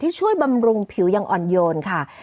ที่ช่วยบำรุงผิวยังอ่อนโยนค่ะ